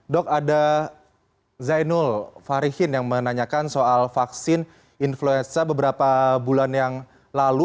dok ada zainul farihin yang menanyakan soal vaksin influenza beberapa bulan yang lalu